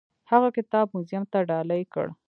هغه کتاب موزیم ته ډالۍ کړ.